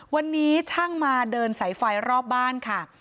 วันนี้ช่างมาเดินสายไฟรอบบ้านค่ะ